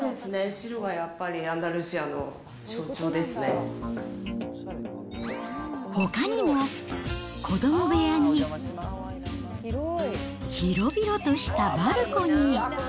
白はやっぱり、アンダルシアの象ほかにも、子ども部屋に、広々としたバルコニー。